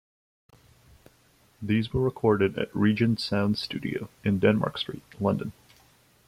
These were recorded at Regent Sound studio in Denmark Street, London.